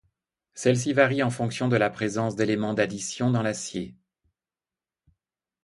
Celle-ci varie en fonction de la présence d'éléments d'addition dans l'acier.